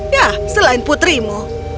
ya selain putrimu